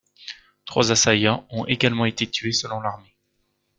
Trois assaillants ont également été tués selon l'armée.